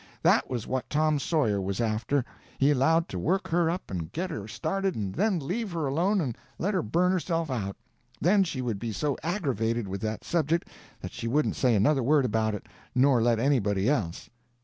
That was what Tom Sawyer was after. He allowed to work her up and get her started and then leave her alone and let her burn herself out. Then she would be so aggravated with that subject that she wouldn't say another word about it, nor let anybody else.